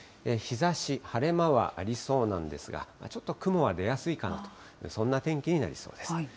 日ざし、晴れ間はありそうなんですが、ちょっと雲は出やすいかなと、そんな天気になりそうです。